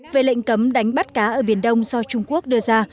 về lệnh cấm đánh bắt cá ở biển đông do trung quốc đưa ra